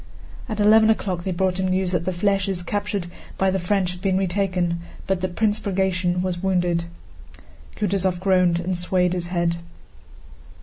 At eleven o'clock they brought him news that the flèches captured by the French had been retaken, but that Prince Bagratión was wounded. Kutúzov groaned and swayed his head.